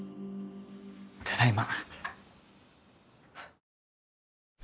ただいま。